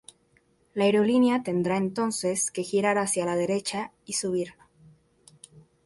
La aeronave tendrá entonces que girar hacia la derecha y subir.